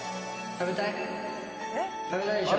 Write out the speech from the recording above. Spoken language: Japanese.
食べたいでしょ。